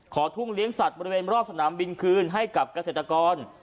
ทุ่งเลี้ยงสัตว์บริเวณรอบสนามบินคืนให้กับเกษตรกร